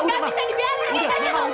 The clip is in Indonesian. nggak bisa dibiarin kayak gini toh